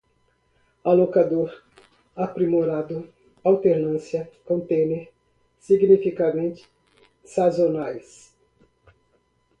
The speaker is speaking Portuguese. alocador, aprimorado, alternância, contêiner, significativamente, sazonais